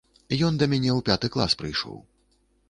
Ён да мяне ў пяты клас прыйшоў.